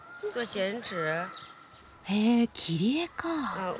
へえ切り絵か。